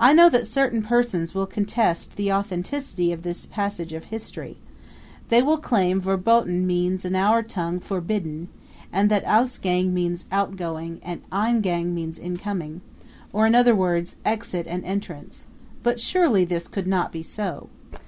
I know that certain persons will contest the authenticity of this passage of history; they will claim Verboten means in our tongue Forbidden, and that Ausgang means Outgoing, and Eingang means Incoming or, in other words, Exit and Entrance; but surely this could not be so.